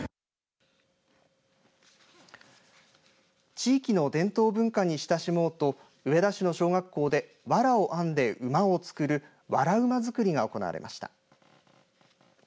地域の伝統文化に親しもうと上田市の小学校でわらを編んで馬を作るわら馬作りが行われました。